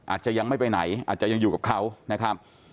อาจจะยังไม่ไปไหนอาจจะยังอยู่กับเขานะครับ